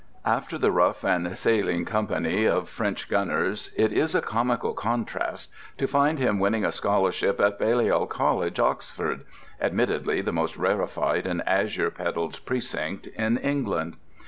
After the rough and saline company of French gunners it is a comical contrast to find him winning a scholarship at Balliol College, Oxford—admittedly the most rarefied and azure pedalled precinct in England.